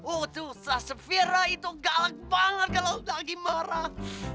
oh tuh safira itu galak banget kalau lagi marah